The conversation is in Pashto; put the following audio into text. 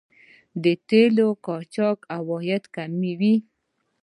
د تیلو قاچاق عواید کموي.